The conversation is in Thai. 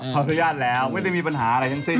ขออนุญาตแล้วไม่ได้มีปัญหาอะไรทั้งสิ้น